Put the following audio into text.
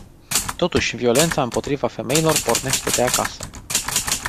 Totuși, violența împotriva femeilor pornește de acasă.